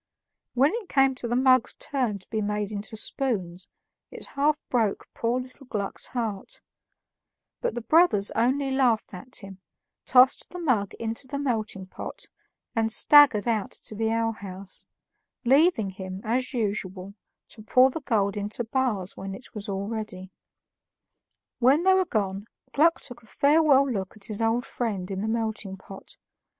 When it came to the mug's turn to be made into spoons, it half broke poor little Gluck's heart; but the brothers only laughed at him, tossed the mug into the melting pot, and staggered out to the alehouse, leaving him, as usual, to pour the gold into bars when it was all ready. When they were gone, Gluck took a farewell look at his old friend in the melting pot.